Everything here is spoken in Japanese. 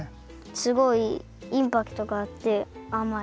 すごいインパクトがあってあまい。